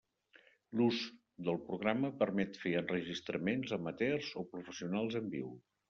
L'ús del programa permet fer enregistraments amateurs o professionals en viu.